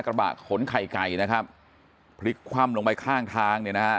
กระบะขนไข่ไก่นะครับพลิกคว่ำลงไปข้างทางเนี่ยนะฮะ